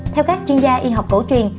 theo các chuyên gia y học cổ truyền